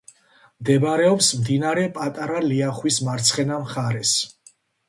მდებარეობს მდინარე პატარა ლიახვის მარცხენა მხარეს.